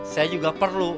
saya juga perlu